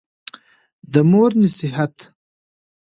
د مور نصېحت